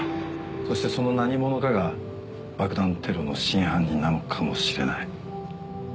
そしてその何者かが爆弾テロの真犯人なのかもしれない。